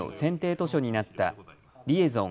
図書になったリエゾン